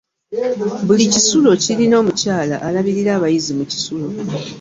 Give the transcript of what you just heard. Buli kisulo kirina omukyala alabirira abayizi mu kisulo.